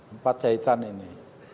empat jahitan ini